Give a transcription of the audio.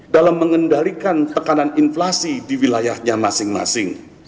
dalam mengendalikan tekanan inflasi di wilayahnya masing masing